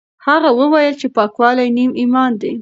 هغه وویل چې پاکوالی نیم ایمان دی.